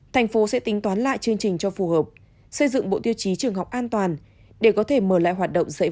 tp hcm sẽ tính toán lại chương trình cho phù hợp